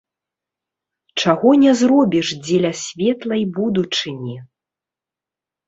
Чаго не зробіш дзеля светлай будучыні?